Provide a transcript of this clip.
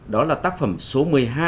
đó là tác phẩm số một mươi hai